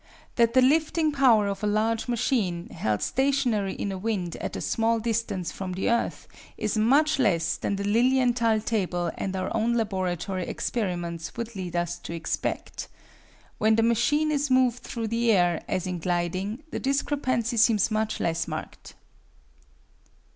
That the lifting power of a large machine, held stationary in a wind at a small distance from the earth, is much less than the Lilienthal table and our own laboratory experiments would lead us to expect. When the machine is moved through the air, as in gliding, the discrepancy seems much less marked.